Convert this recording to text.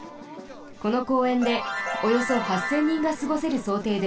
この公園でおよそ８，０００人がすごせるそうていです。